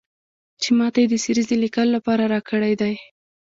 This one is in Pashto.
چې ماته یې د سریزې لیکلو لپاره راکړی دی.